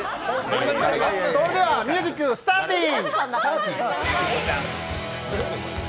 それではミュージック、スターティン！